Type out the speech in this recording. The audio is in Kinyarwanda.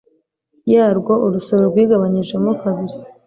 yarwo urusoro rwigabanyijemo kabiri